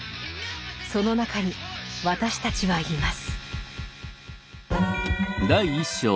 その中に私たちはいます。